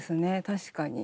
確かに。